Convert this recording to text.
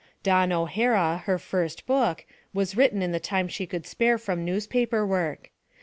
Dawn O'Hara, her first book, was written in the time she could spare from newspaper work.